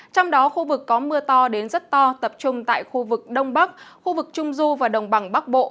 trong đó khu vực có mưa to đến rất to tập trung tại khu vực đông bắc khu vực trung du và đồng bằng bắc bộ